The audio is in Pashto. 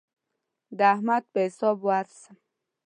د احمد په حساب ورسم.